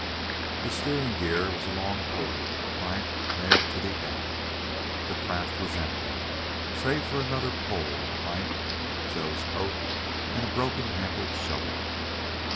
The steering gear was a long pole with a plank nailed to the end. The craft was empty save for another pole and plank, Joe's coat, and a broken handled shovel.